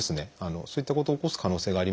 そういったことを起こす可能性があります。